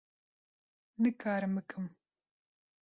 Nikarim bikim.